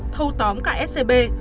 thâu tóm cả scb